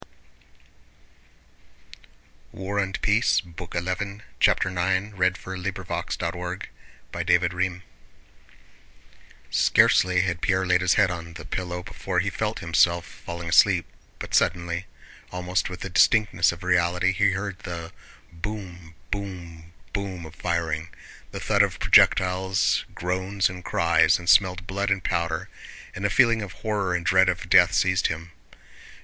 and, covering himself up head and all, lay down in his carriage. CHAPTER IX Scarcely had Pierre laid his head on the pillow before he felt himself falling asleep, but suddenly, almost with the distinctness of reality, he heard the boom, boom, boom of firing, the thud of projectiles, groans and cries, and smelled blood and powder, and a feeling of horror and dread of death seized him.